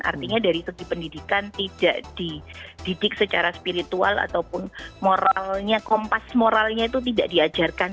artinya dari segi pendidikan tidak dididik secara spiritual ataupun moralnya kompas moralnya itu tidak diajarkan